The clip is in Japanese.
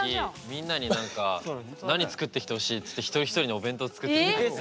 みんなになんか何作ってきてほしいっつって一人一人にお弁当作ってきてくれて。